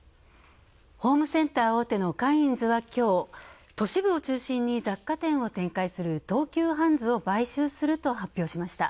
ホームセンター大手のカインズはきょう、都市部を中心に雑貨店を展開する東急ハンズを買収すると発表しました。